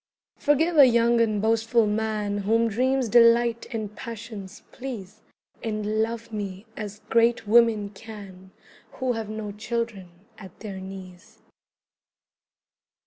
Forgive a young and boastful man Whom dreams delight and passions please, And love me as great women can Who have no children at their knees.